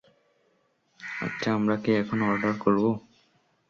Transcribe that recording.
আচ্ছা, আমরা কি এখন অর্ডার করব?